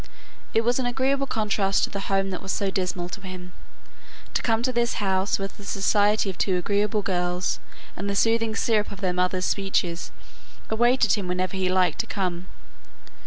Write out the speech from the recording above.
It was an agreeable contrast to the home that was so dismal to him, to come to this house, where the society of two agreeable girls, and the soothing syrup of their mother's speeches, awaited him whenever he liked to come.